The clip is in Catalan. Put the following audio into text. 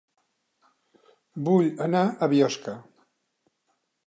Vull anar a Biosca